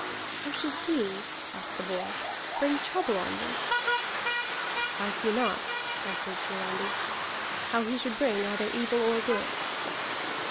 "How should he," asked the boy, "bring trouble on thee?" "I see not," answered Hiarandi, "how he should bring either evil or good."